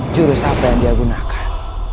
jurus apa yang dia gunakan